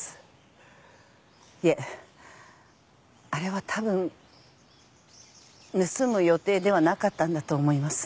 いえあれはたぶん盗む予定ではなかったんだと思います。